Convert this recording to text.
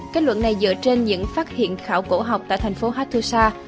kết luận này dựa trên những phát hiện khảo cổ học tại thành phố hattusa